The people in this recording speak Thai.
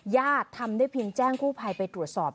ทำได้เพียงแจ้งกู้ภัยไปตรวจสอบ